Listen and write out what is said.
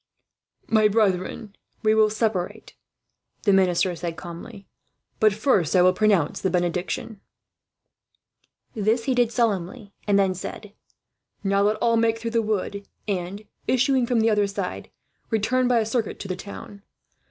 "My brethren, we will separate," the minister said calmly. "But first, I will pronounce the benediction." This he did solemnly, and then said: "Now, let all make through the wood and, issuing from the other side, return by a circuit to the town.